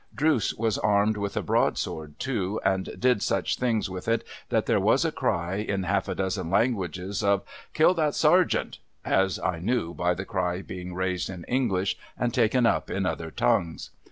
Drooce was armed with a broadsword, too, and did such things with it, that there was a cry, in half a dozen languages, of ' Kill that sergeant !' as I knew, by the cry being raised in English, and taken up in other tongues.